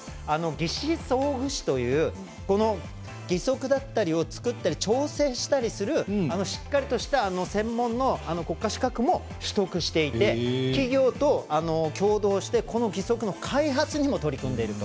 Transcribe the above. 義肢装具士という義足だったりを作ったり調整したりする、しっかりとした専門の国家資格も取得していて企業と共同してこの義足の開発にも取り組んでいると。